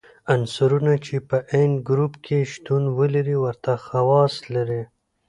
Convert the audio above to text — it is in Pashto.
عنصرونه چې په عین ګروپ کې شتون ولري ورته خواص لري.